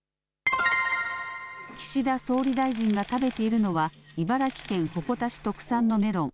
岸田総理大臣が食べているのは茨城県鉾田市特産のメロン。